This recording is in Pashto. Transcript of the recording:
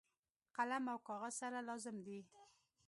قلم او کاغذ سره لازم دي.